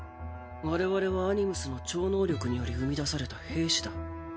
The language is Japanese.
我々はアニムスの超能力により生み出された兵士だ。